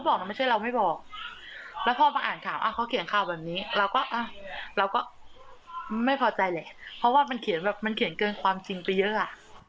มันไม่พอใจเลยเพราะว่ามันเขียนเกินความจริงไปเยอะ